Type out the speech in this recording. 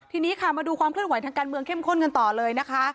ทีนี้ค่ะมาดูความเคลื่อนไหวทางการเมืองเข้มข้นกันต่อเลยนะคะ